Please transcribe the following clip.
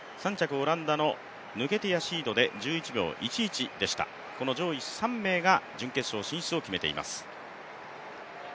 オランダのヌケティア・シードで１１秒１１でしたこの上位３名が準決勝進出を決めています。